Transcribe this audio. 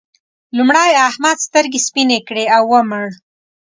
لومړی احمد سترګې سپينې کړې او ومړ.